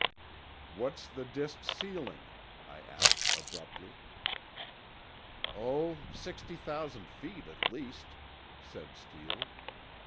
"What's the disks' ceiling?" I asked, abruptly. "Oh—sixty thousand feet, at least," said Steele.